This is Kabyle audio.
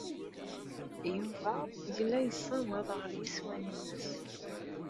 Yuba yella yessawaḍ ɣer yeswan-nnes.